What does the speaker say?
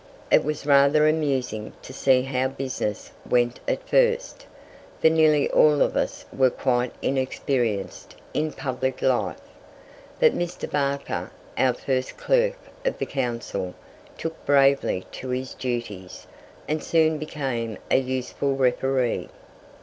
It was rather amusing to see how business went at first, for nearly all of us were quite inexperienced in public life. But Mr. Barker, our first Clerk of the Council, took bravely to his duties, and soon became a useful referee.